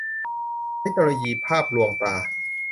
เทคโนโลยี-ภาพลวงตา